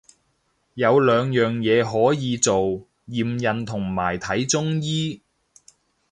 有兩樣可以做，驗孕同埋睇中醫